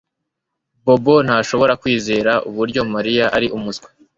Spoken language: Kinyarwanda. Bobo ntashobora kwizera uburyo Mariya ari umuswa